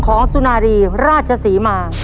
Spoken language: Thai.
สุนารีราชศรีมา